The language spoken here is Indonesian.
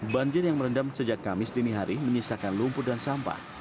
banjir yang merendam sejak kamis dini hari menyisakan lumpur dan sampah